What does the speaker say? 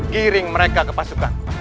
kiring mereka ke pasukan